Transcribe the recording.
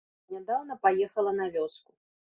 Нядаўна паехала на вёску.